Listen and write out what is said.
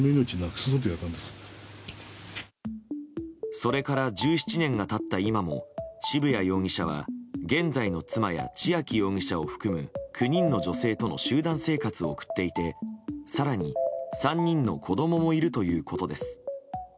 それから１７年が経った今も渋谷容疑者は現在の妻や千秋容疑者を含む９人の女性との集団生活を送っていて更に３人の子供もいるということです。